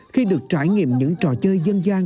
khi được trải nghiệm những trò chơi dân dân